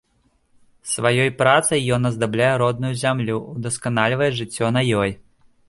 Сваёй працай ён аздабляе родную зямлю, удасканальвае жыццё на ёй.